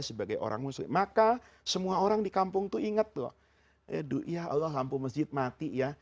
sebagai orang muslim maka semua orang di kampung itu ingat loh ya allah lampu masjid mati ya